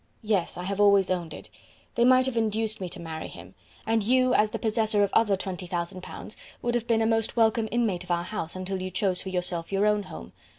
"Yes; I have always owned it they might have induced me to marry him; and you, as the possessor of other 20,000 pounds, would have been a most welcome inmate of our house until you chose for yourself your own home.